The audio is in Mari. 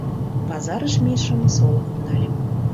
Пазарыш мийышым, солыкым нальым